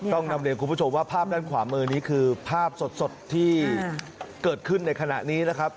นำเรียนคุณผู้ชมว่าภาพด้านขวามือนี้คือภาพสดที่เกิดขึ้นในขณะนี้นะครับ